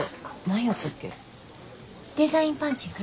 デザインパンチング？